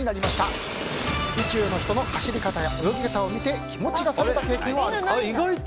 意中の人の走り方や泳ぎ方を見て気持ちが冷めた経験はあるか。